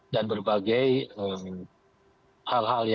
dan berbagai hal hal yang lainnya